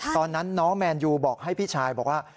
ตอนนั้นน้องแมนยูบอกให้พี่ชายบอกว่า